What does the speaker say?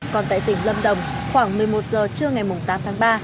còn tại tỉnh lâm đồng khoảng một mươi một giờ trưa ngày tám tháng ba